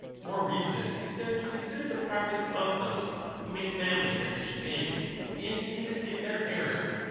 More reason is there to consider the practice of those who make family their chief aim, and to indicate their error.